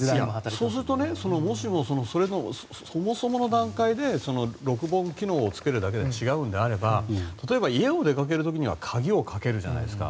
そうするともしもそもそもの段階で録音機能をつけるだけで違うのであれば例えば、家を出かける時には鍵をかけるじゃないですか。